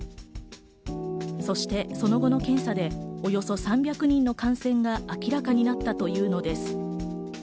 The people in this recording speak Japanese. そして、その後の検査でおよそ３００人の感染が明らかになったというのです。